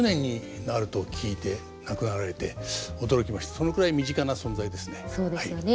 そのくらい身近な存在ですね。